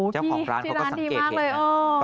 เจ้าของร้านเขาก็สังเกตเห็นนะ